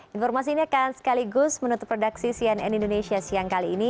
informasi ini akan sekaligus menutup produksi cnn indonesia siang kali ini